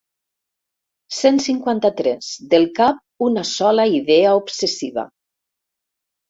Cent cinquanta-tres del cap una sola idea obsessiva.